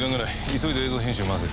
急いで映像編集へ回せ。